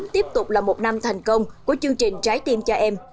hai nghìn một mươi chín tiếp tục là một năm thành công của chương trình trái tim cho em